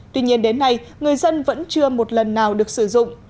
tuy nhiên đến nay người dân vẫn chưa một lần nào được sử dụng